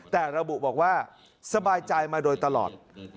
แต่ระบุบอกว่าสบายใจมาโดยตลอด